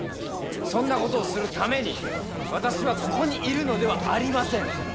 そんなことをするために私はここにいるのではありません。